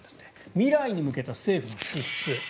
未来に向けた政府の支出。